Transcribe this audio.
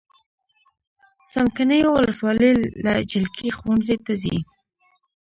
څمکنیو ولسوالۍ کې جلکې ښوونځی ته ځي.